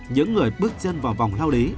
những người bước chân vào vòng lao lý